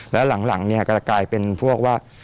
แล้วหลังเนี่ยก็จะกลายเป็นพวกว่า